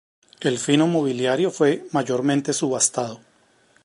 El fino mobiliario fue mayormente subastado.